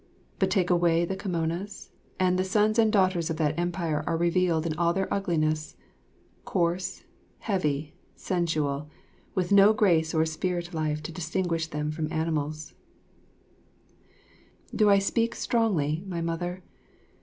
But take away the kimonas, and the sons and daughters of that Empire are revealed in all their ugliness coarse, heavy, sensual, with no grace or spirit life to distinguish them from animals. [Illustration: Mylady19.] Do I speak strongly, my Mother?